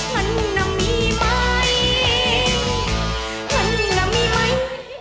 เงินน่ะมีไหมเงินน่ะมีไหม